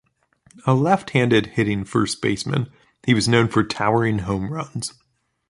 A left-handed hitting first baseman, he was known for towering home runs.